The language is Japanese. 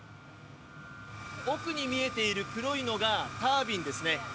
奥に見えている黒いのがタービンですね。